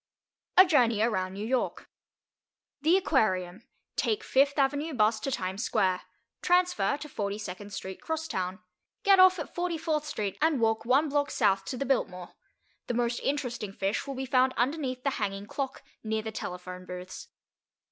A JOURNEY AROUND NEW YORK The Aquarium. Take Fifth Avenue Bus to Times Square. Transfer to 42nd Street Crosstown. Get off at 44th Street, and walk one block south to the Biltmore. The most interesting fish will be found underneath the hanging clock, near the telephone booths.